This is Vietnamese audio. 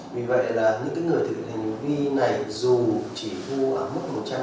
vì vậy là những người thử hành vi này dù chỉ thu ở mức một trăm linh